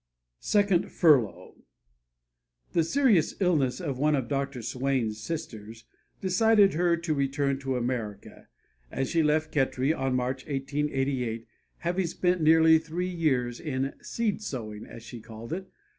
SECOND FURLOUGH The serious illness of one of Dr. Swain's sisters decided her to return to America, and she left Khetri in March, 1888, having spent nearly three years in "seed sowing" as she called it.